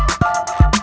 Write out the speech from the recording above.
kau mau kemana